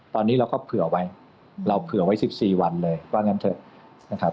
ตอนนี้เราก็เผื่อไว้เราเผื่อไว้๑๔วันเลยว่างั้นเถอะนะครับ